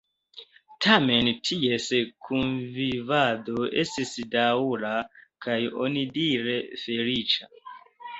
Tamen ties kunvivado estis daŭra kaj onidire feliĉa.